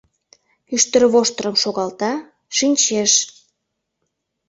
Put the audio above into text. Ӱштервоштырым шогалта, шинчеш.